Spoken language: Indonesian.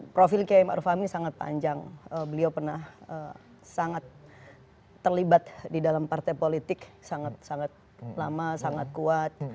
profil kiai ⁇ maruf ⁇ amin sangat panjang beliau pernah sangat terlibat di dalam partai politik sangat sangat lama sangat kuat